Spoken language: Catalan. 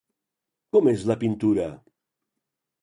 Com és la pintura?